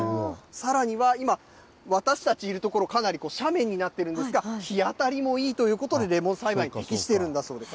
さらには今、私たちいる所、かなり斜面になってるんですが、日当たりもいいということで、レモン栽培に適しているんだそうです。